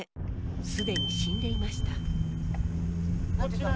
既に死んでいました。